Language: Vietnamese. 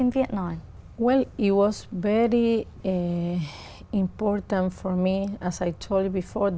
việt nam và cuba đã tiếp tục phát triển